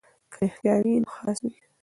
که رښتیا وي نو خاص وي.